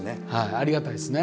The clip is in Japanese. ありがたいですね。